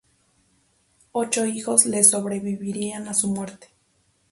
Ocho hijos le sobrevivirían a su muerte.